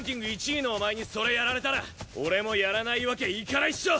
１位のお前にそれやられたら俺もやらないわけいかないっしょ！